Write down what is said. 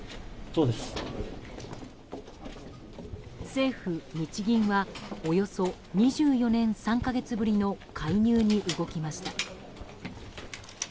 政府・日銀はおよそ２４年３か月ぶりの介入に動きました。